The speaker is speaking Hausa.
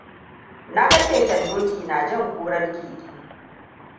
Na ga keken doki na jan kurar keke.